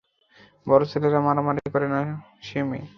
বড় ছেলেরা মারামারি করে না সে মেয়ে।